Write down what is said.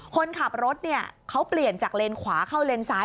คนขับรถเนี่ยเขาเปลี่ยนจากเลนขวาเข้าเลนซ้าย